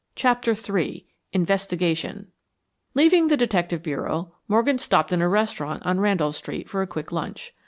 CHAPTER III INVESTIGATION Leaving the Detective Bureau, Morgan stopped in a restaurant on Randolph Street for a quick lunch.